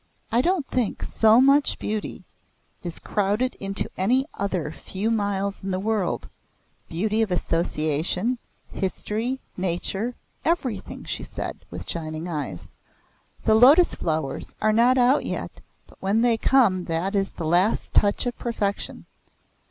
"I don't think so much beauty is crowded into any other few miles in the world beauty of association, history, nature, everything!" she said with shining eyes. "The lotus flowers are not out yet but when they come that is the last touch of perfection.